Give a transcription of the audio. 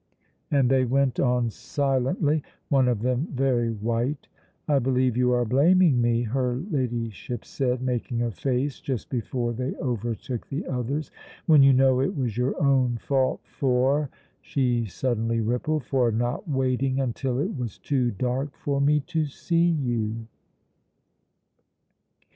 And they went on silently, one of them very white. "I believe you are blaming me," her Ladyship said, making a face, just before they overtook the others, "when you know it was your own fault for" she suddenly rippled "for not waiting until it was too dark for me to see you!"